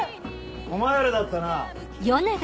お前らだったな。